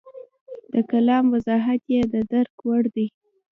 د کلام وضاحت یې د درک وړ دی.